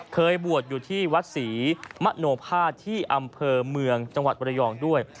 เคยบวชอยู่ที่วัดศรีมโนภาษที่อำเภอเมืองจังหวัดบรยองด้วย